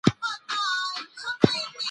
پوهه د انسان شخصیت ته درناوی بښي.